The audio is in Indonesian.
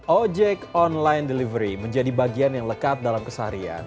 ojek online delivery menjadi bagian yang lekat dalam kesaharian